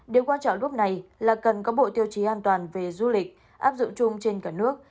điều quan trọng lúc này là cần có bộ tiêu chí an toàn về du lịch áp dụng chung trên cả nước